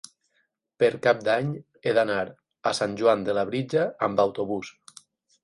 Per Cap d'Any he d'anar a Sant Joan de Labritja amb autobús.